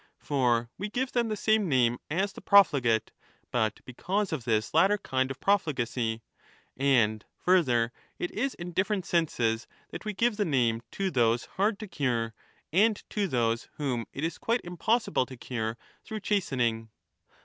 For we give them the same name as the profligate, but because of this latter kind of profligacy.^ And, further, it is in different senses that we give the name to those hard to cure and to those whom it is quite impossible to cure through chastening.